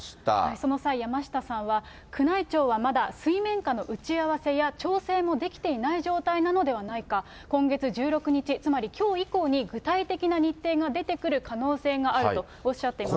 その際、山下さんは、宮内庁はまだ水面下の打ち合わせや調整もできていない状態なのではないか。今月１６日、つまりきょう以降に具体的な日程が出てくる可能性があるとおっしゃっていました。